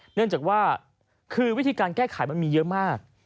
เนื่องจากว่าคือวิธีการแก้ไขมันมีเยอะมาก